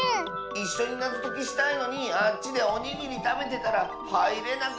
いっしょになぞときしたいのにあっちでおにぎりたべてたらはいれなくなっちゃったよ。